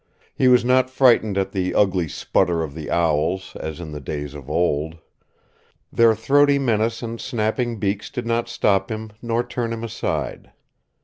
He was not frightened at the ugly sputter of the owls, as in the days of old. Their throaty menace and snapping beaks did not stop him nor turn him aside.